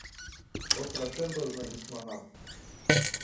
Осрашырбыҙмы, исмаһам?